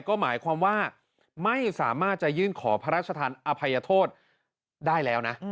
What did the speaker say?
ก็หมายความว่าไม่สามารถจะยื่นขอพระราชทานอภัยโทษได้แล้วนะ